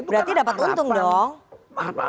berarti dapat untung dong